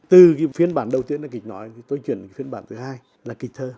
từ cái phiên bản đầu tiên là kịch nói tôi chuyển cái phiên bản thứ hai là kịch thơ